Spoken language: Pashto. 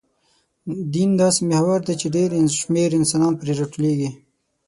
دین داسې محور دی، چې ډېر شمېر انسانان پرې راټولېږي.